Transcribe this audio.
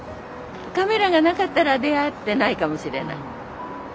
カメラがなかったら出会ってないかもしれない。